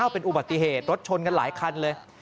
เป็นอุบัติเหตุรถชนกันหลายคันเลย